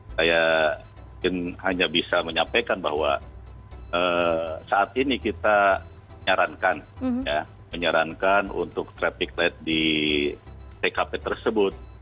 saya mungkin hanya bisa menyampaikan bahwa saat ini kita menyarankan untuk traffic light di tkp tersebut